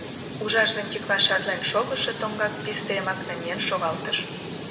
Ужар зонтикла шарлен шогышо тоҥгак писте йымак намиен шогалтыш.